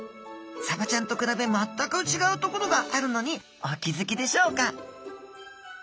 サバちゃんと比べ全く違うところがあるのにお気付きでしょうか？